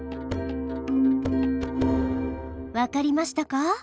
分かりましたか？